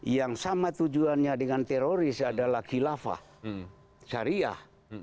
yang sama tujuannya dengan teroris adalah khilafah syariah